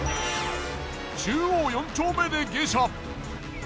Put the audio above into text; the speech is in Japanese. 中央四丁目で下車。